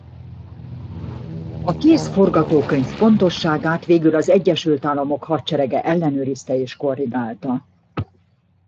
A kész forgatókönyv pontosságát végül az Egyesült Államok hadserege ellenőrizte és korrigálta.